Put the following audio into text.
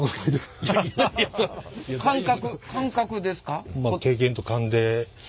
感覚感覚ですか？